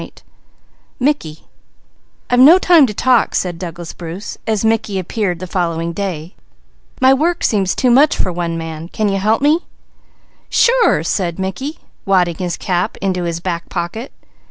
CHAPTER VIII Big Brother "I've no time to talk," said Douglas Bruce, as Mickey appeared the following day; "my work seems too much for one man. Can you help me?" "Sure!" said Mickey, wadding his cap into his back pocket.